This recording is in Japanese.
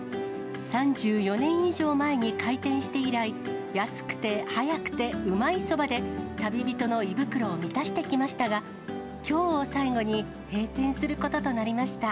３４年以上前に開店して以来、安くて早くてうまいそばで、旅人の胃袋を満たしてきましたが、きょうを最後に閉店することとなりました。